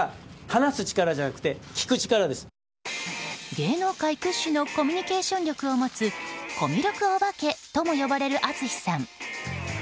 芸能界屈指のコミュニケーション力を持つコミュ力お化けとも呼ばれる淳さん。